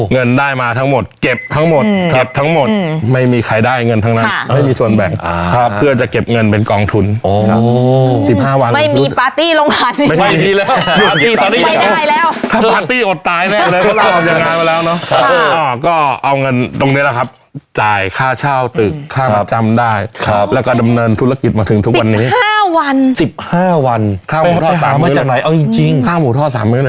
เงินได้มาทั้งหมดเก็บทั้งหมดเก็บทั้งหมดไม่มีใครได้เงินทั้งนั้นไม่มีส่วนแบ่งครับเพื่อจะเก็บเงินเป็นกองทุนครับสิบห้าวันไม่มีปาร์ตี้ลงหาดไม่มีทีแล้วปาร์ตี้ตอนนี้ไม่ได้แล้วถ้าปาร์ตี้อดตายแน่เลยเพราะเราออกจากงานมาแล้วเนอะ